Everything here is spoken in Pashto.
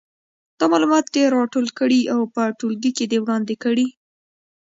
دا معلومات دې راټول کړي او په ټولګي کې دې وړاندې کړي.